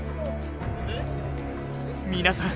皆さん